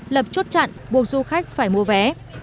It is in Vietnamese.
lập chốt chặn buộc du khách phải mua vé